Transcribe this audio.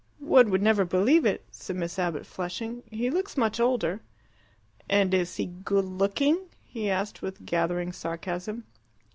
"One would never believe it," said Miss Abbott, flushing. "He looks much older." "And is he good looking?" he asked, with gathering sarcasm.